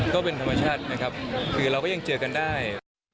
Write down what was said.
ก็เป็นธรรมชาตินะครับคือเราก็ยังเจอกันได้